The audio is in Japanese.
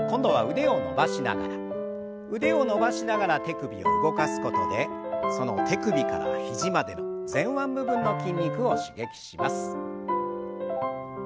腕を伸ばしながら手首を動かすことでその手首から肘までの前腕部分の筋肉を刺激します。